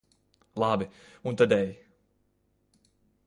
Labi, un tad ej.